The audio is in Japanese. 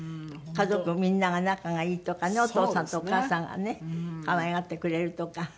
家族みんなが仲がいいとかねお父さんとお母さんがね可愛がってくれるとか。